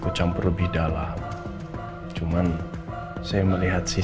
kebanyakan seperti penumpuan sendiri